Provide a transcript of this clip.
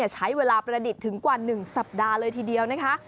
ใช้เวลาประดิษฐ์ถึงกว่า๑สัปดาห์เลยทีเดียวนะคะ